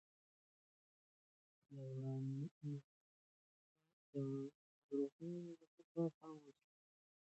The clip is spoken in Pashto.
د روغتونونو نظافت ته پام وکړئ.